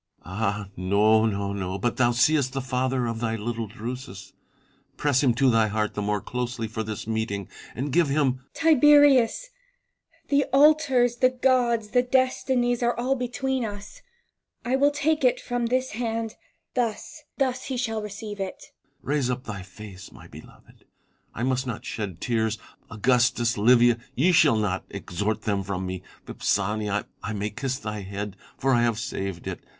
Ah ! no, no, no ! but thou seest the father of thy little Drusus. Press him to thy heart the more closely for this meeting, and give him Vipsania. Tiberius ! the altars, the gods, the destinies, are all between us — I will take it from this hand ; thus, thus shall he receive it, 12 IMA GINAR V CONFERS A TIONS. Tiberitis. Raise up thy face, my beloved ! I must not shed tears. Augustus, Livia, ye shall not extort them from me. Vipsania ! I may kiss thy head — for I have saved it.